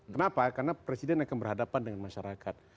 kenapa karena presiden akan berhadapan dengan masyarakat